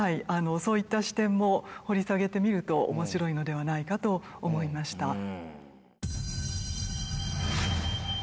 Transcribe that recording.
そういった視点も掘り下げてみると面白いのではないかと思いました。